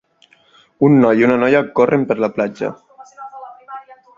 Un noi i una noia corren per la platja.